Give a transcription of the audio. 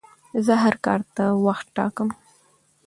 زه هر کار ته وخت ټاکم.